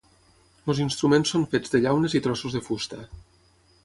Els instruments són fets de llaunes i trossos de fusta.